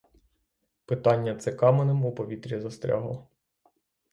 Питання це каменем у повітрі застрягло.